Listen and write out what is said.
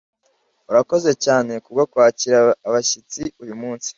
Urakoze cyane kubwo kwakira abashyitsi uyu munsi.